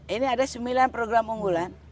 ini ada sembilan program unggulan